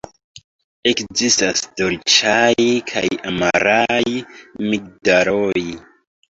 Ekzistas dolĉaj kaj amaraj migdaloj.